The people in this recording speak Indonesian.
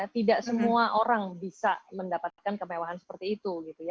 tidak semua orang bisa mendapatkan kemewahan seperti itu